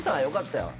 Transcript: よかった。